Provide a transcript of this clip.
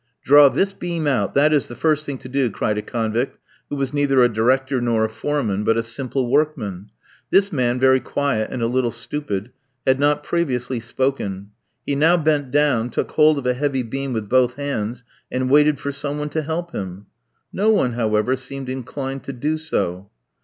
"Draw this beam out, that is the first thing to do," cried a convict who was neither a director nor a foreman, but a simple workman. This man, very quiet and a little stupid, had not previously spoken. He now bent down, took hold of a heavy beam with both hands, and waited for some one to help him. No one, however, seemed inclined to do so.